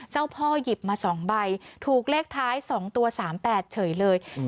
เจ้าพ่อหยิบมา๒ใบถูกเลขท้าย๒ตัว๓๘เฉยเลย